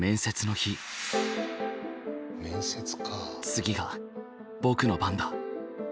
次が僕の番だ。